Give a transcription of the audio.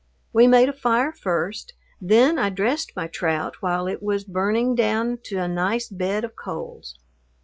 We made a fire first, then I dressed my trout while it was burning down to a nice bed of coals.